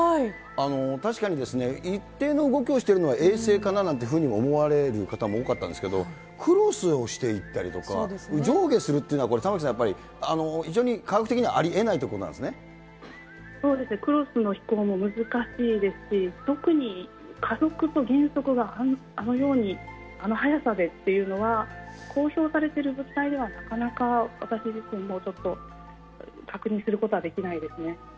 確かに一定の動きをしてるのは衛星かななんてふうに思われる方も多かったんですけど、クロスをしていったりとか、上下するっていうのは、これ玉城さん、やっぱり非常に、科学的にはありえないとそうですね、クロスの飛行も難しいですし、特に加速と減速があのように、あの速さでっていうのは、公表されている物体では、なかなか私自身もちょっと確認することはできないですね。